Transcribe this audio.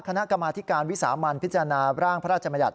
คณะกรรมาธิการวิสามันพิจารณาร่างพระราชมัญญัติ